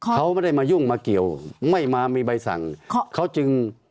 เขาไม่ได้มายุ่งมาเกี่ยวไม่มามีใบสั่งเขาจึง